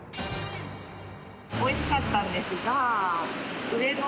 おいしかったんですが。